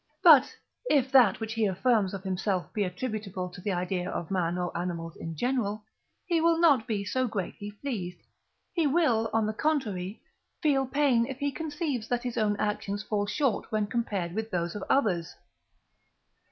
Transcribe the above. But, if that which he affirms of himself be attributable to the idea of man or animals in general, he will not be so greatly pleased: he will, on the contrary, feel pain, if he conceives that his own actions fall short when compared with those of others.